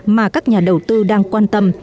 mà các nhà đầu tư đang quan tâm